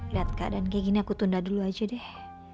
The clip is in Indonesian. lihat keadaan kayak gini aku tunda dulu aja deh